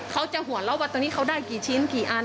เขาจะหัวเราะว่าตรงนี้เขาได้กี่ชิ้นกี่อัน